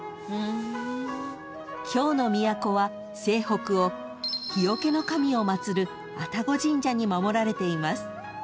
［京の都は西北を火よけの神を祭る愛宕神社に守られています］